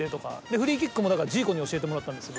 フリーキックもだからジーコに教えてもらったんですよ